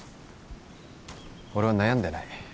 俺は悩んでない。